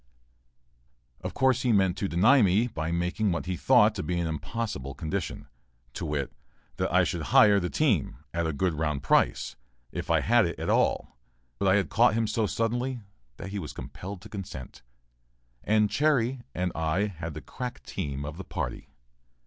Of course, he meant to deny me by making what he thought to be an impossible condition, to wit: that I should hire the team, at a good round price, if I had it at all, but I had caught him so suddenly that he was compelled to consent, and "Chairy" and I had the crack team of the party.